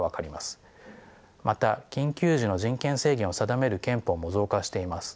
また緊急時の人権制限を定める憲法も増加しています。